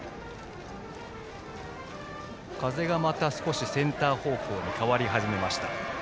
風がまた少しセンター方向に変わり始めました。